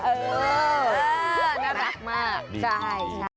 เออน่ารักมากใช่